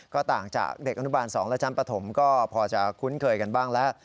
ก็ต่างจากเด็กอนุบาล๒และชั้นปฐมก็พอจะคุ้นเคยกันบ้างแล้ว